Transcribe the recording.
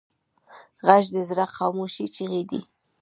غږ د زړه خاموش چیغې دي